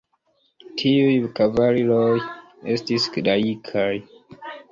Tiuj kavaliroj estis laikaj.